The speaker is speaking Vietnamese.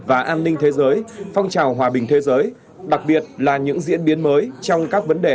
và an ninh thế giới phong trào hòa bình thế giới đặc biệt là những diễn biến mới trong các vấn đề